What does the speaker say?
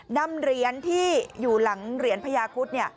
นำเหรียญที่อยู่หลังเหรียญพญาคุดเนี่ย